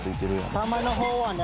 弾のほうはね